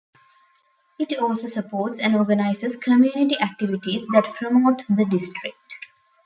It also supports and organizes community activities that promote the District.